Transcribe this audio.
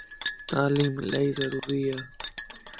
تعليم الائي ضروري ا